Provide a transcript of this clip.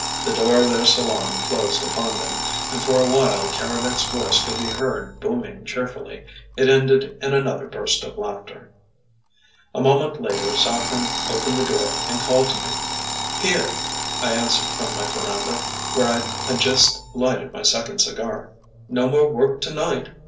The door of their salon closed upon them, and for a while Keredec's voice could be heard booming cheerfully; it ended in another burst of laughter. A moment later Saffren opened the door and called to me. "Here," I answered from my veranda, where I had just lighted my second cigar. "No more work to night.